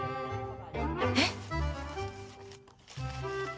えっ！？